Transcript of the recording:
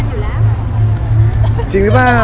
สงสารจริงหรือเปล่า